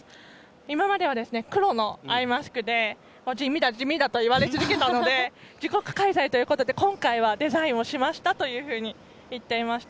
今までは黒のアイマスクで地味だ、地味だと言われ続けたので自国開催ということで今回はデザインをしましたと言っていました。